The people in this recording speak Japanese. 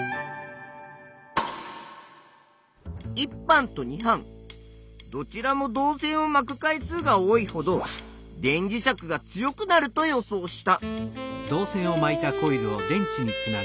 １班と２班どちらも導線を「まく回数」が多いほど電磁石が強くなると予想した。